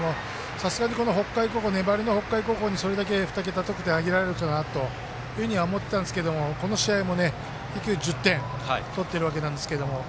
さすがに粘りの北海高校にそれだけ２桁得点挙げられるのかなと思ってたんですけどもこの試合も１０点取っているわけなんですが。